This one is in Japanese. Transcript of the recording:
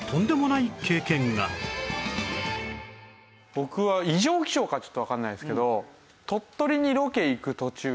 僕は異常気象かちょっとわからないですけど。